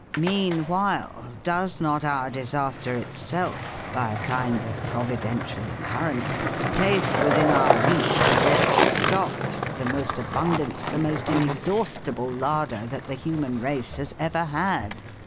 '_) Meanwhile does not our disaster itself, by a kind of providential occurrence, place within our reach the best stocked, the most abundant, the most inexhaustible larder that the human race has ever had?